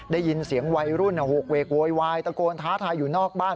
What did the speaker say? ได้ยินเสียงวัยรุ่นโหกเวกโวยวายตะโกนท้าทายอยู่นอกบ้าน